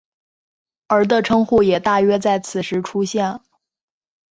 而的称呼也大约在此时出现。